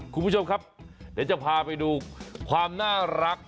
คุณผู้ชมครับเดี๋ยวจะพาไปดูความน่ารัก